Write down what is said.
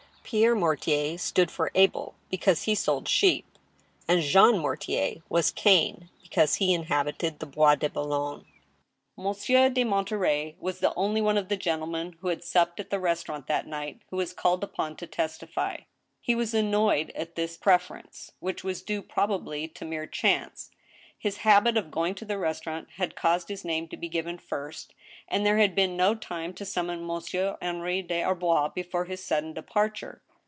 Pierre Mortier stood for Abel because he sold sheep, and Jean Mortier was Cain, because he inhabited the Bois de Boulogne. 1 86 THE STEEL HAMMER, I Monsieur de Monterey was the only one of the gentlemen, who had supped at the restaurant that night, who was called upon to testify. He was annoyed at this preference, which was due probably to mere chance. His habit of going to the restaurant had caused his name to be given first ; and there had been no time to summon Monsieur Henri des Arbois before his sudden departure.